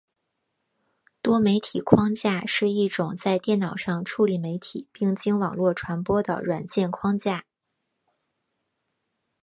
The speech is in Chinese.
多媒体框架是一种在电脑上处理媒体并经网络传播的软件框架。